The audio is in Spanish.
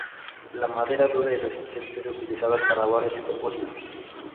La madera dura y resistente es utilizada para varios propósitos.